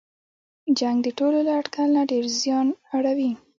جنګ د ټولو له اټکل نه ډېر زیان اړوي.